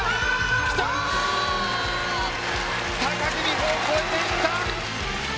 高木美帆を超えていった。